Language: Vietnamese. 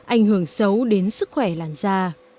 ảnh hưởng xấu đến sức khỏe làn da